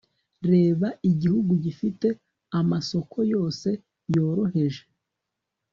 Reba igihugu gifite amasoko yose yoroheje